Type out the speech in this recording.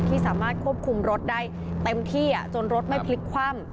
ที่สามารถควบคุมรถได้เต็มที่จนรถไม่พลิกคว่ำ